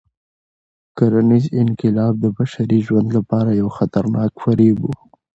کرنيز انقلاب د بشري ژوند لپاره یو خطرناک فریب و.